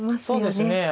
そうですね。